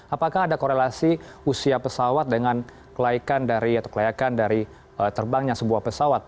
apakah ada korelasi usia pesawat dengan atau kelayakan dari terbangnya sebuah pesawat